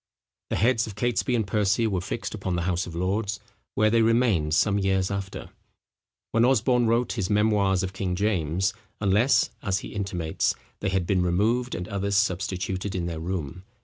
The heads of Catesby and Percy were fixed upon the House of Lords, where they remained some years after, when Osborne wrote his Memoirs of King James; unless, as he intimates, they had been removed, and others substituted in their room.